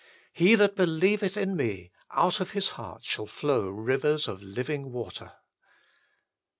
" He that be lieveth in Me, out of his heart shall flow rivers of living water."